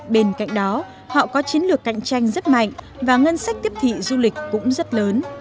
bên cạnh đó họ có chiến lược cạnh tranh rất mạnh và ngân sách tiếp thị du lịch cũng rất lớn